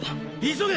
急げ！